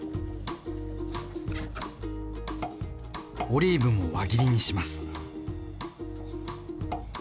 オリーブも輪切りにします。